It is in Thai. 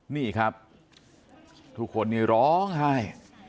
นี่ครับทุกคนนี่ร้องไห้